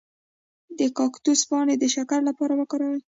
د کاکتوس پاڼې د شکر لپاره وکاروئ